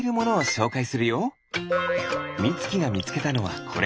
みつきがみつけたのはこれ。